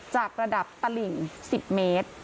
จากระดับตลิ่ง๑๐เมตร